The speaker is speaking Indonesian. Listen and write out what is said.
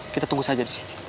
kita tunggu saja di sini